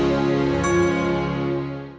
pasti mau dimbalas